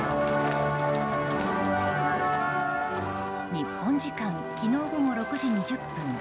日本時間昨日午後６時２０分